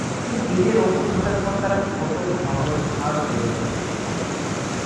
কিন্তু বীজের অঙ্কুর ঘটার পর তারা ছোট, ঘন ঝাড় তৈরী করে।